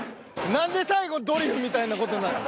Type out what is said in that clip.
何で最後ドリフみたいな事になるん。